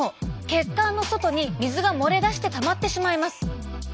血管の外に水が漏れ出してたまってしまいます。